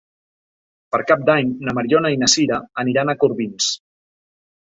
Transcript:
Per Cap d'Any na Mariona i na Sira aniran a Corbins.